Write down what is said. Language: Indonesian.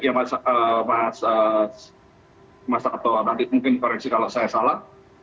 ya mas tato nanti mungkin koreksi kalau saya salah